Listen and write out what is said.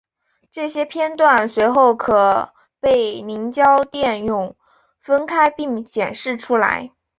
这些片断随后可被凝胶电泳分开并显示出来。